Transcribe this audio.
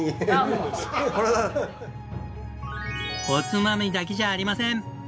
おつまみだけじゃありません！